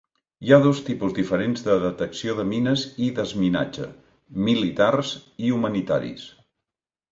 Hi ha dos tipus diferents de detecció de mines i desminatge: militars i humanitaris.